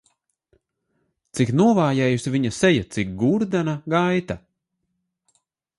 Cik novājējusi viņa seja, cik gurdena gaita!